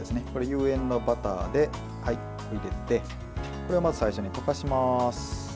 有塩のバターを入れてまず最初に溶かします。